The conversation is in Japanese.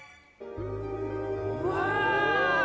うわ！